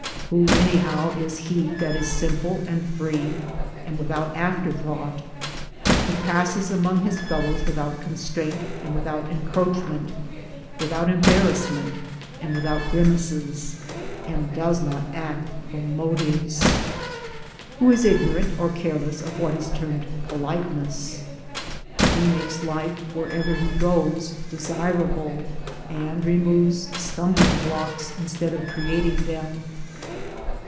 [Who anyhow is he that is simple and free and without afterthought? who passes among his fellows without con straint and without encroachment, without embarrassment and without grimaces, and does not act from motives ? Who is ignorant or careless of what is termed politeness, who makes life wherever he goes desirable, and removes stumbling blocks instead of creating them?